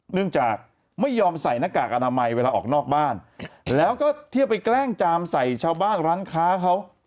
เนื่องจากไม่ยอมใส่หน้ากากอนามัยเวลาออกนอกบ้านแล้วก็เที่ยวไปแกล้งจามใส่ชาวบ้านร้านค้าเขา